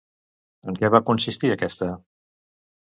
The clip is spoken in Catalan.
En què va consistir aquesta?